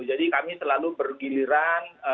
jadi kami selalu bergiliran